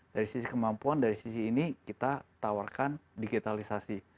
dari sisi kemampuan dari sisi ini kita tawarkan digitalisasi